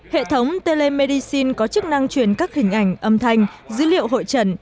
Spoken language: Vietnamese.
hệ thống telemedicine có chức năng truyền các hình ảnh âm thanh dữ liệu hội trần